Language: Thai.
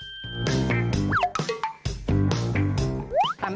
คือนายอัศพรบวรวาชัยครับ